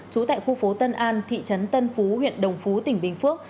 trú tại khu phố tân an thị trấn tân phú huyện đồng phú tỉnh bình phước